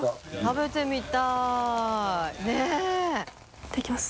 いただきます。